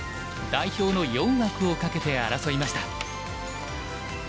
代表の４枠をかけて争いました。